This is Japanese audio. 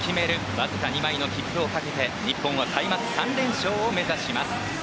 わずか２枚の切符をかけて日本は開幕３連勝を目指します。